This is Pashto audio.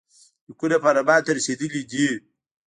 لیکونه پارلمان ته رسېدلي دي.